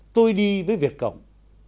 tôi đi với việt cộng